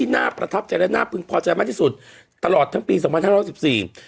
น่าประทับใจและน่าพึงพอใจมากที่สุดตลอดทั้งปีสองพันห้าร้อยสิบสี่